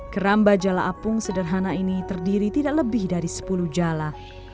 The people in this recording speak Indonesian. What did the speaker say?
keramba jala apung sederhana ini terdiri tidak lebih dari sepuluh jala